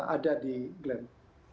ada di glenn